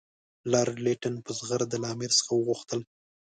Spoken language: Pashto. لارډ لیټن په زغرده له امیر څخه وغوښتل.